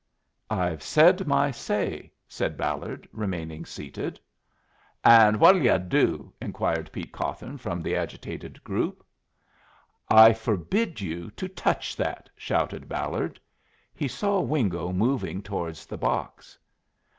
"I've said my say," said Ballard, remaining seated. "An' what'll ye do?" inquired Pete Cawthon from the agitated group. "I forbid you to touch that!" shouted Ballard. He saw Wingo moving towards the box.